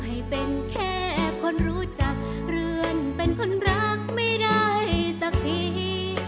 ให้เป็นแค่คนรู้จักเรือนเป็นคนรักไม่ได้สักที